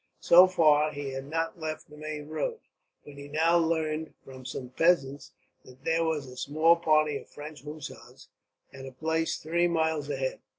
So far, he had not left the main road; but he now learned, from some peasants, that there was a small party of French hussars at a place three miles ahead.